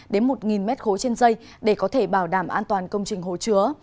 đến một mét khối trên dây để có thể bảo đảm an toàn công trình hồ chứa